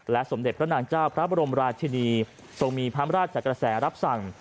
สมเด็จพระนางเจ้าพระบรมราชินีทรงมีพระราชกระแสรับสั่ง